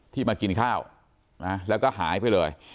มากินข้าวนะแล้วก็หายไปเลย